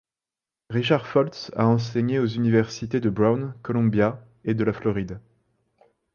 Richard Foltz a enseigné aux universités de Brown, Columbia, et de la Floride.